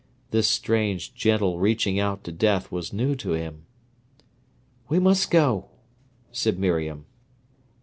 This strange, gentle reaching out to death was new to him. "We must go," said Miriam.